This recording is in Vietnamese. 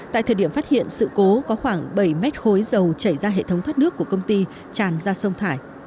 tại thời điểm phát hiện sự cố có khoảng bảy mét khối dầu chảy ra hệ thống thoát nước của công ty tràn ra sông thải